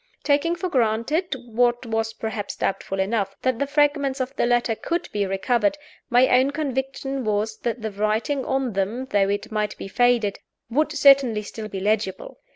Taking for granted (what was perhaps doubtful enough) that the fragments of the letter could be recovered, my own conviction was that the writing on them, though it might be faded, would certainly still be legible.